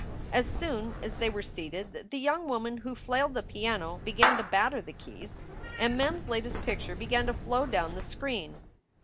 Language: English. As soon as they were seated the young woman who flailed the piano began to batter the keys, and Mem s latest picture began to flow down the screen.